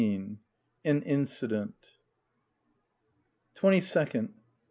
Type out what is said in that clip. AN INCIDENT. Twenty second.